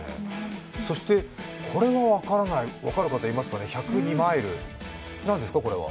そしてこれが分からない、分かる方、いますかね、１０２マイル、何ですか、これは。